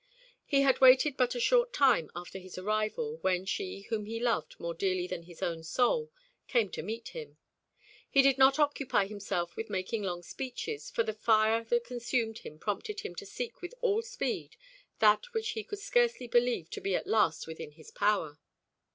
He had waited but a short time after his arrival, when she whom he loved more dearly than his own soul came to meet him. He did not occupy himself with making long speeches, for the fire that consumed him prompted him to seek with all speed that which he could scarcely believe to be at last within his power.